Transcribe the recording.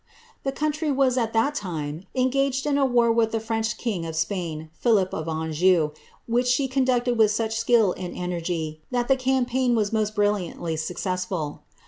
The country was at that time engaged in a war with the French kkv of Spain, Philip of Anjou, which she conducted with each skill m energy, that the campaign was most brilliantly successful.